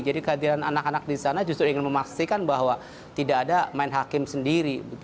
jadi kehadiran anak anak di sana justru ingin memastikan bahwa tidak ada menhakim sendiri